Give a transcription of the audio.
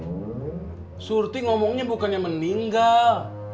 surti ngomongnya bukannya meninggal